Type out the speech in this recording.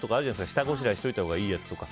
下ごしらえしておいたほうがいいやつとか。